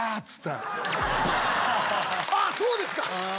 あそうですか！？